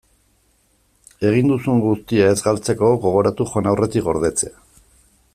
Egin duzun guztia ez galtzeko, gogoratu joan aurretik gordetzea.